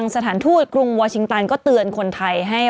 มีสารตั้งต้นเนี่ยคือยาเคเนี่ยใช่ไหมคะ